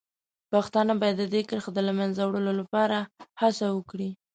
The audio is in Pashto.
پښتانه باید د دې کرښې د له منځه وړلو لپاره هڅه وکړي.